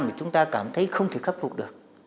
mà chúng ta cảm thấy không thể khắc phục được